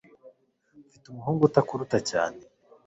Mfite umuhungu utakuruta cyane.